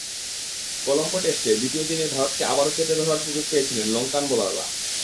কলম্বো টেস্টে দ্বিতীয় দিনে ভারতকে আবারও চেপে ধরার সুযোগ পেয়েছিলেন লঙ্কান বোলাররা।